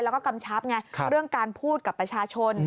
แล้วก็กำชับไงเรื่องการพูดกับประชาชน